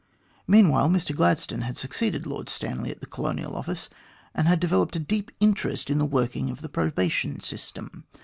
Mean while, Mr Gladstone had succeeded Lord Stanley at the Colonial Office, and had developed a deep interest in the work ing of the probation system.